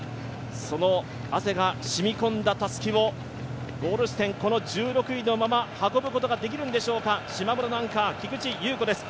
その汗が染み込んだたすきをゴール地点、この１６位のまま運ぶことができるんでしょうか、しまむらのアンカー、菊地優子です。